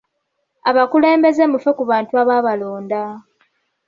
Abakulembeze mufe ku bantu ababalonda.